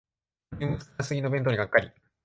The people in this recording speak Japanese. ボリューム少なすぎの弁当にがっかり